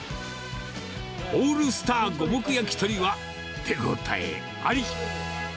オールスター五目焼き鳥は、手応えあり。